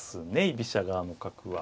居飛車側の角は。